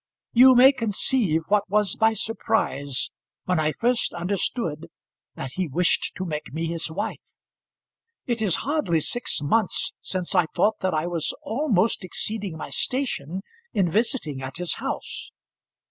You may conceive what was my surprise when I first understood that he wished to make me his wife. It is hardly six months since I thought that I was almost exceeding my station in visiting at his house.